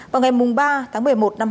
vào ngày ba tháng ba